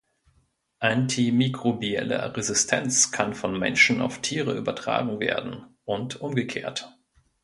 Antimikrobielle Resistenz kann von Menschen auf Tiere übertragen werden, und umgekehrt.